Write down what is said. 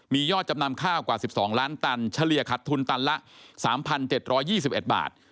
มียอดจำนำข้าวกว่า๑๒ล้านตันเฉลี่ยขัดทุนตันละ๓๗๒๑บาท